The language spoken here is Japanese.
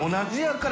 から